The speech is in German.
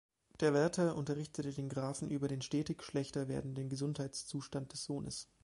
Der Wärter unterrichtete den Grafen über den stetig schlechter werdenden Gesundheitszustand des Sohnes.